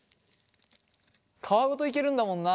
皮ごといけるんだもんな。